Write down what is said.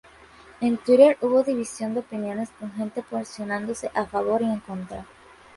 En Twitter hubo división de opiniones con gente posicionándose a favor y en contra.